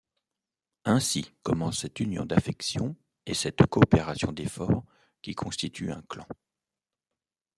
Ainsi commence cette union d'affections, et cette coopération d'efforts, qui constitue un clan.